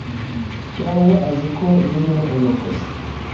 Cyangwa azi ko zirimo amakosa